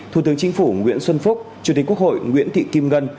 thủ tướng chính phủ nguyễn xuân phúc chủ tịch quốc hội nguyễn thị kim ngân